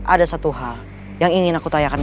ada satu hal yang ingin aku tanyakan